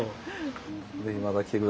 ぜひまた来て下さい。